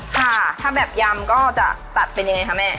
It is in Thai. ค่ะถ้าแบบยำก็จะตัดเป็นยังไงคะแม่